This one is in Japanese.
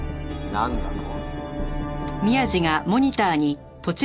なんだと？